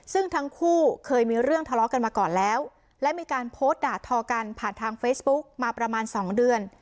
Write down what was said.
ซึ่งทั้งคู่เคยมีเรื่องทะเลาะกันมาก่อนแล้วและมีการโพสต์ด่าทอกันผ่านทางเฟซบุ๊กมาประมาณสองเดือน